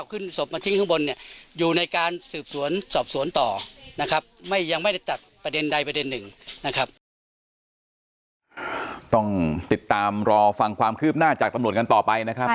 วันที่๗๒และนะครับ